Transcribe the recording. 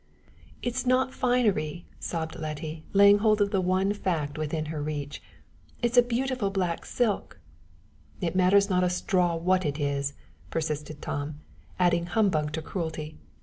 "It's not finery," sobbed Letty, laying hold of the one fact within her reach; "it's a beautiful black silk." "It matters not a straw what it is," persisted Tom, adding humbug to cruelty.